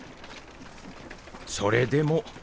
それでも。